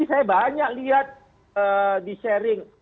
saya banyak lihat di sharing